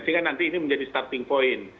sehingga nanti ini menjadi starting point